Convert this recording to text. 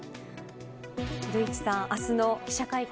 古市さん、明日の記者会見